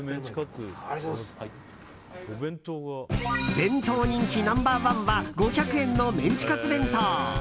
弁当人気ナンバー１は５００円のメンチカツ弁当。